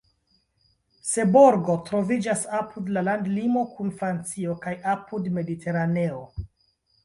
Seborgo troviĝas apud la landlimo kun Francio kaj apud Mediteraneo.